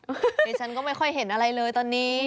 เดี๋ยวฉันก็ไม่ค่อยเห็นอะไรเลยตอนนี้